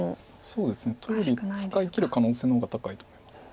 そうですねとりあえず使いきる可能性の方が高いと思います。